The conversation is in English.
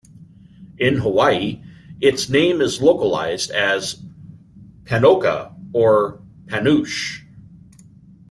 In Hawaii, its name is localized as "panocha" or panuche.